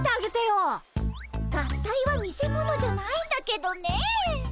合体は見せ物じゃないんだけどねえ。